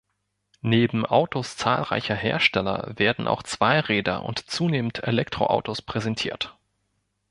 Neben Autos zahlreicher Hersteller werden auch Zweiräder und zunehmend Elektroautos präsentiert.